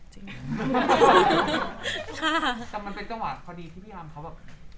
แต่มันเป็นจังหวะพอดีที่พี่อำเขาแบบ